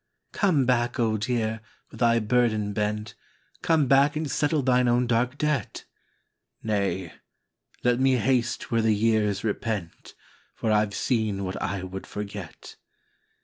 " Come back, Old Year, with thy burden bent. Come back and settle thine own dark debt." " Nay, let me haste where the years repent, For I ve seen what I would forget."